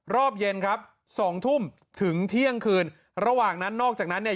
รอบเย็นครับสองทุ่มถึงเที่ยงคืนระหว่างนั้นนอกจากนั้นเนี่ย